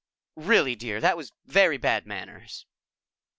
"Really, dear, that was very bad manners."